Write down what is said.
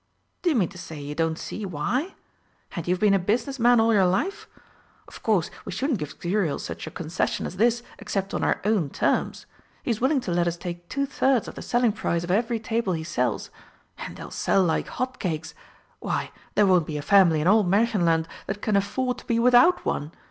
"Do you mean to say you don't see why? And you've been a business man all your life! Of course, we shouldn't give Xuriel such a concession as this except on our own terms. He's willing to let us take two thirds of the selling price of every table he sells. And they'll sell like hot cakes! Why, there won't be a family in all Märchenland that can afford to be without one.